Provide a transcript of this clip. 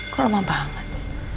kok lama banget